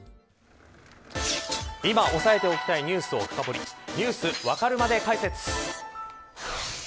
今押さえておきたいニュースを深掘りＮｅｗｓわかるまで解説。